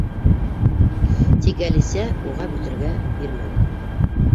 Тик Әлисә уға бөтөргә бирмәне.